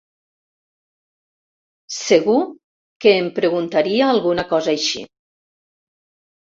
Segur que em preguntaria alguna cosa així.